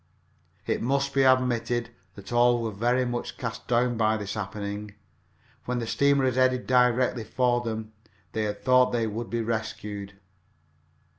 It must be admitted that all were much cast down by this happening. When the steamer had headed directly for them they had thought sure they would be rescued.